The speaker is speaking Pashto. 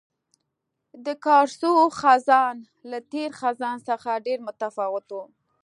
د کارسو خزان له تېر خزان څخه ډېر متفاوت وو.